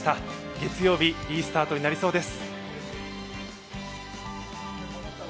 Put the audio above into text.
月曜日、いいスタートになりそうです。